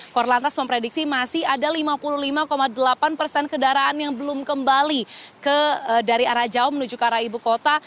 korlantas memprediksi masih ada lima puluh lima delapan persen kendaraan yang belum kembali dari arah jauh menuju ke arah ibu kota